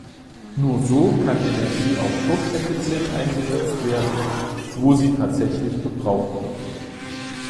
Nur so kann Energie auch dort effizient eingesetzt werden, wo sie tatsächlich gebraucht wird.